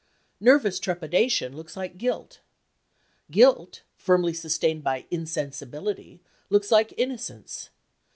Nervous trepidation looks like guilt. Guilt, firmly sustained by insensibility, looks like innocence.